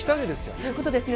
そういうことですね